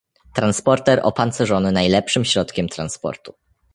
Transporter opancerzony najlepszym środkiem transportu.